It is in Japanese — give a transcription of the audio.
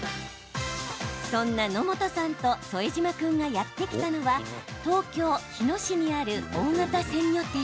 そんな野本さんと副島君がやって来たのは東京・日野市にある大型鮮魚店。